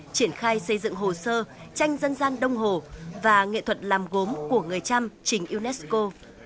triển khai xây dựng hồ sơ tranh dân gian đông hồ và nghệ thuật làm gốm của người trăm trình unesco